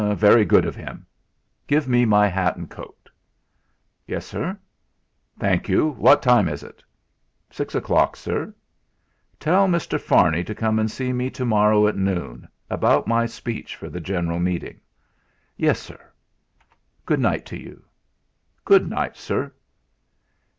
"Very good of him. Give me my hat and coat." "Yes, sir." "Thank you. What time is it?" "Six o'clock, sir." "Tell Mr. Farney to come and see me tomorrow at noon, about my speech for the general meeting." "Yes, Sir." "Good night to you." "Good night, Sir."